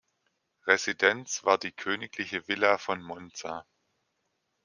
Residenz war die Königliche Villa von Monza.